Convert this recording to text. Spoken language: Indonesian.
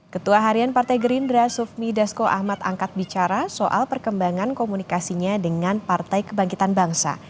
ketua harian partai gerindra sufmi dasko ahmad angkat bicara soal perkembangan komunikasinya dengan partai kebangkitan bangsa